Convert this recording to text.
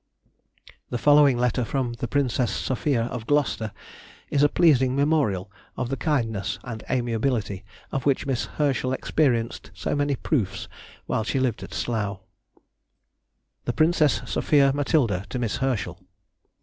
_] The following letter from the Princess Sophia of Gloucester is a pleasing memorial of the kindness and amiability of which Miss Herschel experienced so many proofs while she lived at Slough:— THE PRINCESS SOPHIA MATILDA TO MISS HERSCHEL.